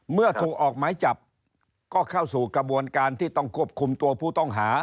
เมื่อถูกออกหมายจับก็เข้าสู่กระบวนการที่ต้องควบคุมตัวผู้ต้องหา